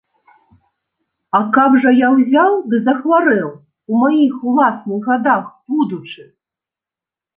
А каб жа я ўзяў ды захварэў, у маіх уласных гадах будучы?